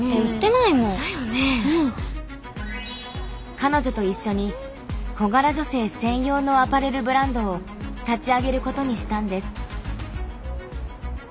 彼女と一緒に小柄女性専用のアパレルブランドを立ち上げることにしたんです。